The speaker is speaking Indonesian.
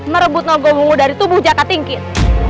merebut nogowumu dari tubuh jaka tingkit